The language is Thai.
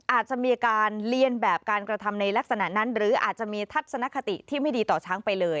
อาจจะมีการเรียนแบบการกระทำในลักษณะนั้นหรืออาจจะมีทัศนคติที่ไม่ดีต่อช้างไปเลย